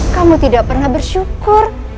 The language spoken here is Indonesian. kamu tidak pernah bersyukur